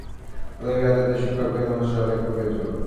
অতএব এই আত্মাতে সুখলাভ করাই মানুষের সর্বাপেক্ষা প্রয়োজন।